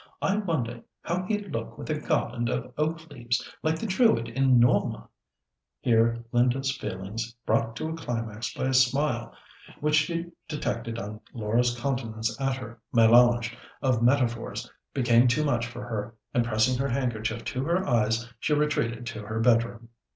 I wonder how he'd look with a garland of oak leaves, like the Druid in Norma?" Here Linda's feelings, brought to a climax by a smile which she detected on Laura's countenance at her mélange of metaphors, became too much for her, and pressing her handkerchief to her eyes, she retreated to her bedroom.